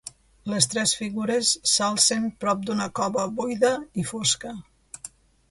Les tres figures s'alcen prop d'una cova buida i fosca.